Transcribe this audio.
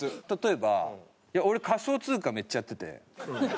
例えば俺仮想通貨めっちゃやってて。